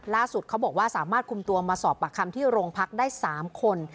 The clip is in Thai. เขาบอกว่าสามารถคุมตัวมาสอบปากคำที่โรงพักได้๓คน